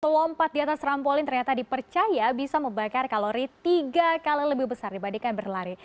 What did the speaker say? lompat di atas trampolin ternyata dipercaya bisa membakar kalori tiga kali lebih besar dibandingkan berlari